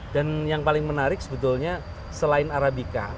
dan yang paling menarik sebetulnya selain arabica